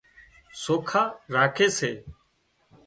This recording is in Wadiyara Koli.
سوکا راکي سي